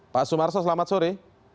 pak sumarso selamat sore